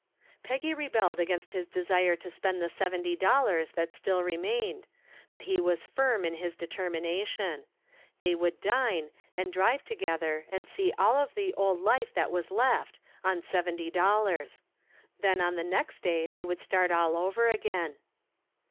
Peggy rebelled against his desire to spend the seventy dollars that still remained, but he was firm in his determination. They would dine and drive together and see all of the old life that was left on seventy dollars. Then on the next day they would start all over again.